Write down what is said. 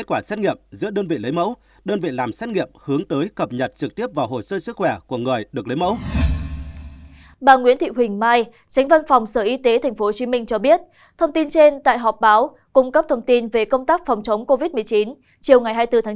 tránh văn phòng sở y tế tp hcm cho biết thông tin trên tại họp báo cung cấp thông tin về công tác phòng chống covid một mươi chín chiều ngày hai mươi bốn tháng chín